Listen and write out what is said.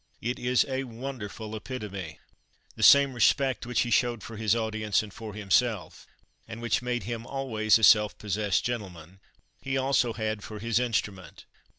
It is a wonderful epitome. The same respect which he showed for his audience and for himself, and which made him always a self possessed gentleman, he also had for his instrument.